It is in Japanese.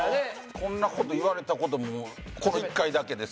こんな事言われた事もこの１回だけです。